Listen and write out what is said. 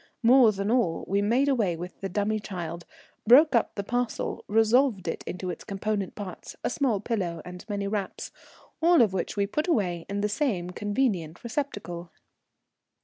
More than all, we made away with the dummy child, broke up the parcel, resolved it into its component parts, a small pillow and many wraps, all of which we put away in the same convenient receptacle.